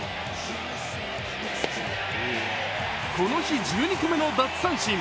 この日１２個目の奪三振。